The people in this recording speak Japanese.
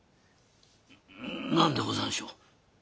何でござんしょう？